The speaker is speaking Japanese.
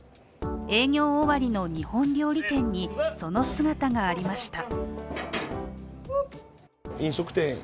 営業終わりの日本料理店にその姿がありました。